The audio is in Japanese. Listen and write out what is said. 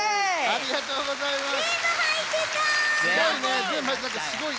ありがとうございます。